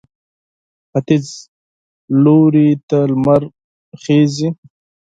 ختیځ لوري ته لمر خېژي.